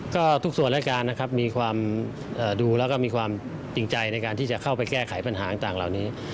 ก็ทุกส่วนรายการนะครับมีความดูแล้วก็มีความจริงใจในการที่จะเข้าไปแก้ไขปัญหาต่างเหล่านี้